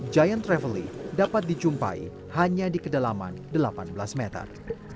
giant travely dapat dijumpai hanya di kedalaman delapan belas meter